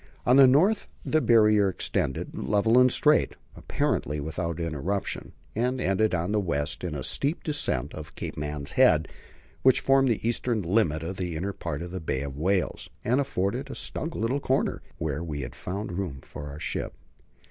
On the north the Barrier extended, level and straight, apparently without interruption, and ended on the west in the steep descent of Cape Man's Head, which formed the eastern limit of the inner part of the Bay of Whales, and afforded a snug little corner, where we had found room for our ship.